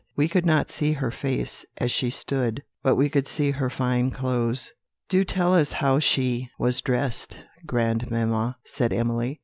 We could not see her face, as she stood, but we could see her fine clothes." "Do tell us how she was dressed, grandmamma," said Emily.